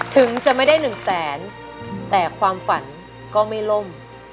ถึงจะไม่ได้หนึ่งแสนแต่ความฝันก็ไม่ล่ม